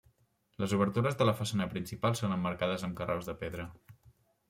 Les obertures de la façana principal són emmarcades amb carreus de pedra.